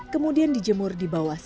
kemudian dijemur di bawah